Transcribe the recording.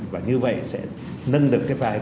và như vậy sẽ nâng được cái vai